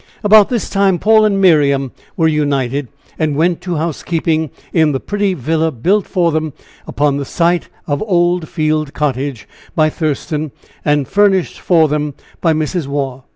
About this time, Paul and Miriam were united, and went to housekeeping in the pretty villa built for them upon the site of Old Field Cottage by Thurston, and furnished for them by Mrs. Waugh.